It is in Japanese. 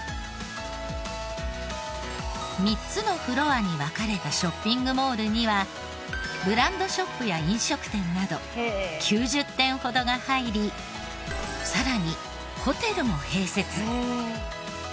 ３つのフロアに分かれたショッピングモールにはブランドショップや飲食店など９０店ほどが入りさらにホテルも併設。